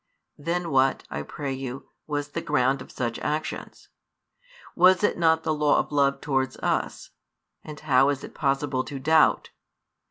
Then what, I pray you, was the ground of such actions? Was it not the law of love towards us? And how is it possible to doubt?